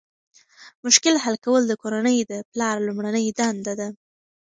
مشکل حل کول د کورنۍ د پلار لومړنۍ دنده ده.